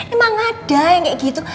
emang ada yang kayak gitu